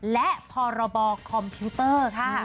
และพรบคอมพิวเตอร์ค่ะ